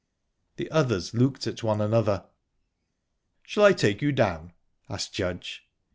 The others looked at one another. "Shall I take you down?" asked Judge.